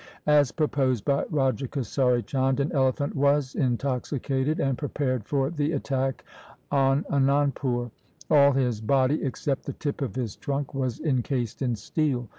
As proposed by Raja Kesari Chand, an elephant was intoxicated and prepared for the attack on Anandpur. All his body except the tip of his trunk was encased in steel.